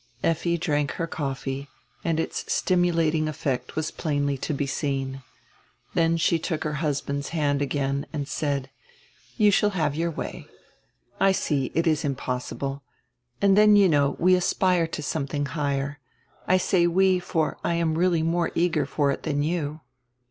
Effi drank her coffee and its stimulating effect was plainly to be seen. Then she took her husband's hand again and said: "You shall have your way. I see, it is impossible. And then, you know, we aspire to something higher. I say we, for I am really more eager for it than you."